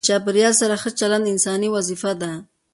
له چاپیریال سره ښه چلند انساني وظیفه ده.